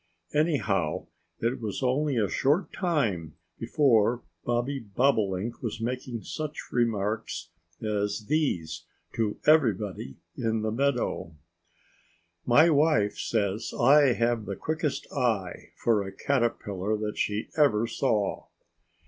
Anyhow, it was only a short time before Bobby Bobolink was making such remarks as these to everybody in the meadow: "My wife says I have the quickest eye for a caterpillar that she ever saw!"